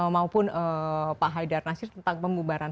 maupun pak haidar nasir tentang pembubaran